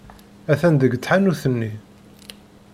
Atan deg tḥanut-nni.